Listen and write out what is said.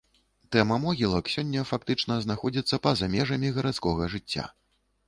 Тэма могілак сёння фактычна знаходзіцца па-за межамі гарадскога жыцця.